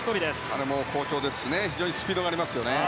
彼も好調ですし非常にスピードがありますよね。